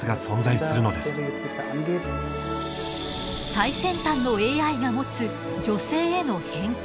最先端のＡＩが持つ女性への偏見。